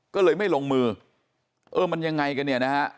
ก็เลยไม่ลงมือเออมันยังไงกันเนี่ยนะฮะ